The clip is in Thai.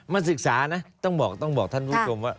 มาศึกษานะต้องบอกท่านผู้ชมว่า